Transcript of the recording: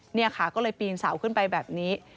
นี่ค่ะก็เลยปีนเสาขึ้นไปแบบนี้